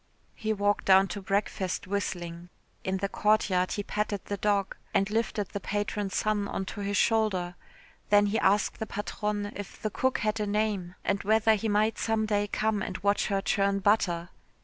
He walked down to breakfast whistling. In the courtyard he patted the dog and lifted the patron's son on to his shoulder, then he asked the patronne if the cook had a name and whether he might some day come and watch her churn butter.